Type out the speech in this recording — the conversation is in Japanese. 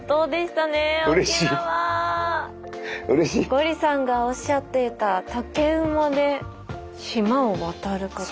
ゴリさんがおっしゃってた竹馬で島を渡る方。